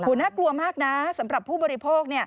น่ากลัวมากนะสำหรับผู้บริโภค